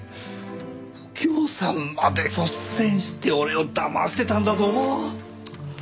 右京さんまで率先して俺をだましてたんだぞ。